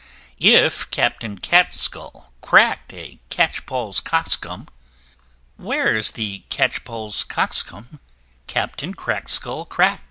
If Captain Crackskull crack'd a Catchpoll's Cockscomb, Where's the Catchpoll's Cockscomb Captain Crackskull crack'd?